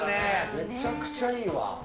めちゃくちゃいいわ。